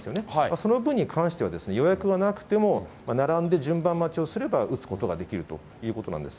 その分に関しては、予約がなくても並んで、順番待ちをすれば打つことができるということなんです。